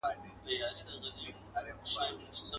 د قدرت دپاره هر يو تر لاس تېر وو.